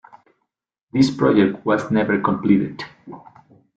This project was never completed.